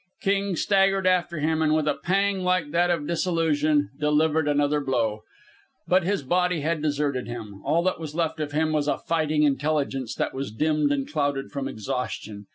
King staggered after him, and, with a pang like that of dissolution, delivered another blow. But his body had deserted him. All that was left of him was a fighting intelligence that was dimmed and clouded from exhaustion.